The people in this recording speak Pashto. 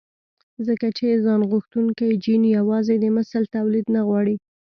ځکه چې ځانغوښتونکی جېن يوازې د مثل توليد نه غواړي.